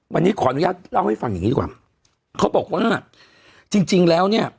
วันนี้ขออนุญาตเล่าให้ฟังอย่างงี้กว่าเขาบอกว่าจริงจริงแล้วเนี่ย